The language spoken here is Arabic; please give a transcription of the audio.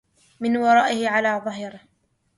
مِنْ وَرَائِهِ عَلَى ظَهْرِهِ